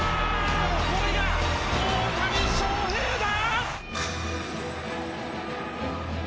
これが大谷翔平だ！